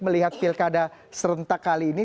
melihat pilkada serentak kali ini